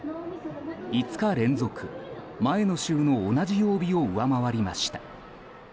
５日連続、前の週の同じ曜日を上回りました。